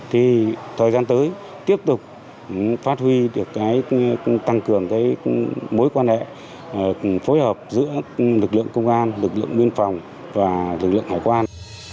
thời gian tới tiếp tục phát huy tăng cường mối quan hệ phối hợp giữa lực lượng công an lực lượng nguyên phòng và lực lượng hải quan